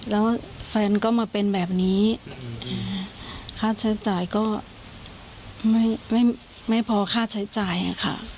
แล้วแฟนก็มาเป็นแบบนี้ค่าใช้จ่ายก็ไม่พอค่าใช้จ่ายค่ะ